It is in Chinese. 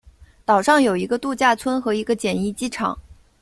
岛上有一个度假村和一个简易机场。